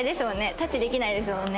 タッチできないですもんね